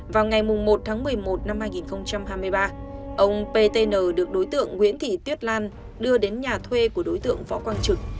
vào ngày một tháng một mươi một năm hai nghìn hai mươi ba ông ptn được đối tượng nguyễn thị tuyết lan đưa đến nhà thuê của đối tượng võ quang trực